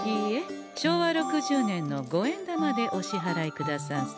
昭和６０年の五円玉でお支払いくださんせ。